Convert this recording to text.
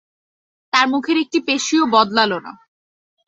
তাঁর মুখের একটি পেশিও বদলাল না।